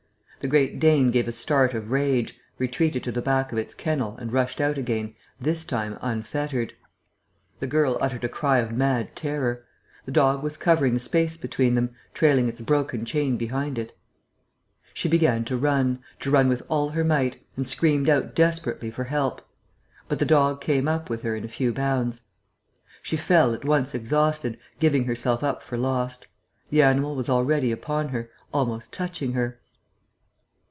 The great Dane gave a start of rage, retreated to the back of its kennel and rushed out again, this time unfettered. The girl uttered a cry of mad terror. The dog was covering the space between them, trailing its broken chain behind it. She began to run, to run with all her might, and screamed out desperately for help. But the dog came up with her in a few bounds. She fell, at once exhausted, giving herself up for lost. The animal was already upon her, almost touching her.